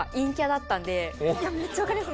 めっちゃ分かります